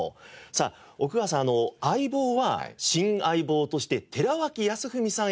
さあ奥川さん『相棒』は新相棒として寺脇康文さん